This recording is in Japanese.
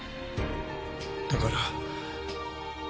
だから。